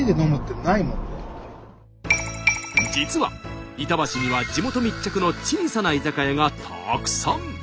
実は板橋には地元密着の小さな居酒屋がたくさん。